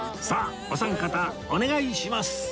さあお三方お願いします！